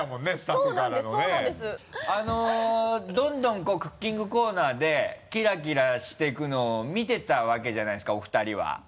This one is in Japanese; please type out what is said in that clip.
どんどんクッキングコーナーでキラキラしていくのを見てたわけじゃないですかお二人は。